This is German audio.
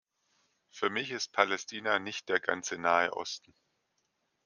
Für mich ist Palästina nicht der ganze Nahe Osten.